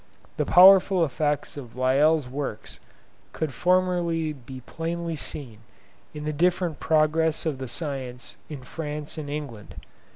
The powerful effects of Lyell's works could formerly be plainly seen in the different progress of the science in France and England.